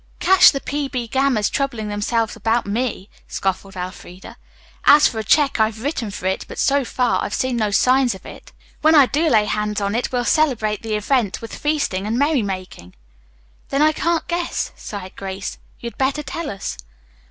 "Catch the P. B. Gammas troubling themselves about me," scoffed Elfreda. "As for a check, I've written for it, but so far I've seen no signs of it. When I do lay hands on it we'll celebrate the event with feasting and merrymaking." "Then I can't guess," sighed Grace. "You'd better tell us."